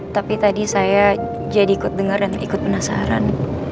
tapi tadi saya jadi ikut dengar dan ikut penasaran